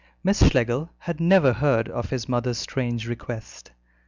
Miss Schlegel had never heard of his mother's strange request.